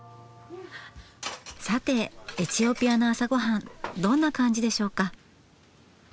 さてエチオピアの朝ごはんどんな感じでしょうか？